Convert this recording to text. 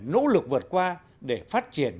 nỗ lực vượt qua để phát triển